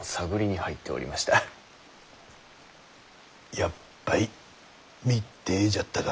やっぱい密偵じゃったか。